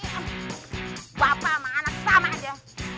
bapak sama anak sama aja